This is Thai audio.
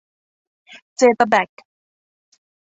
เจตาแบค